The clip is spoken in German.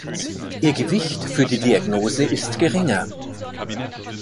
Ihr Gewicht für die Diagnose ist geringer.